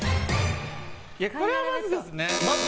これはないですね。